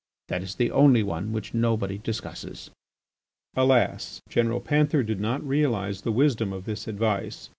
That is the only one which nobody discusses." Alas! General Panther did not realise the wisdom of this advice.